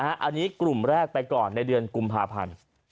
อันนี้กลุ่มแรกไปก่อนในเดือนกุมภาพันธ์